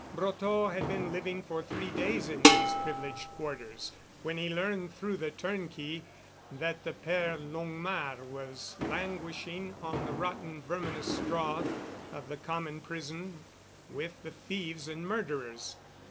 Brotteaux had been living for three days in these privileged quarters when he learned through the turnkey that the Père Longuemare was languishing on the rotten verminous straw of the common prison with the thieves and murderers.